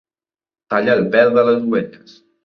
Talla el pèl de les ovelles.